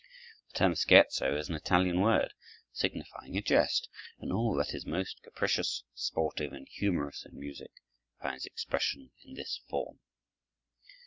The term scherzo is an Italian word, signifying a jest, and all that is most capricious, sportive, and humorous in music finds expression in this form.